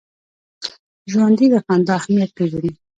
ژوندي د خندا اهمیت پېژني